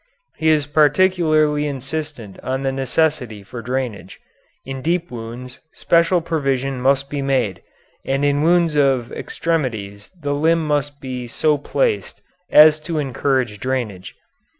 He is particularly insistent on the necessity for drainage. In deep wounds special provision must be made, and in wounds of extremities the limb must be so placed as to encourage drainage.